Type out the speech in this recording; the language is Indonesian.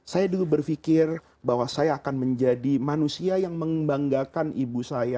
saya dulu berpikir bahwa saya akan menjadi manusia yang membanggakan ibu saya